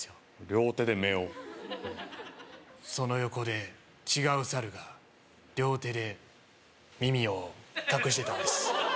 両手で目をその横で違うサルが両手で耳を隠してたんです